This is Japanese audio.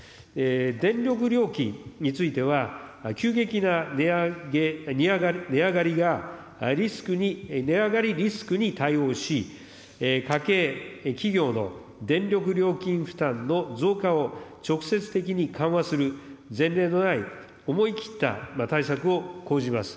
電力料金については、急激な値上がりがリスクに、値上がりリスクに対応し、家計、企業の電力料金負担の増加を直接的に緩和する、前例のない思い切った対策を講じます。